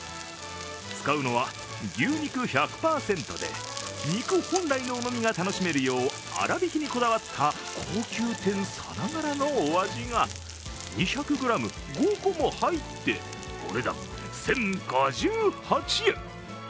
使うのは牛肉１００％で肉本来のうまみが楽しめるよう粗びきにこだわった高級店さながらのお味が２００ｇ、５個も入って、お値段１０５８円。